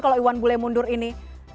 kalau iwan bule mundur ini